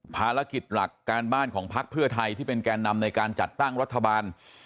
ภารกิจหลักการบ้านของพักเพื่อไทยที่เป็นแก่นำในการจัดตั้งรัฐบาล